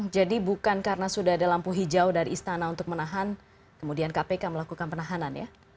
jadi bukan karena sudah ada lampu hijau dari istana untuk menahan kemudian kpk melakukan penahanan ya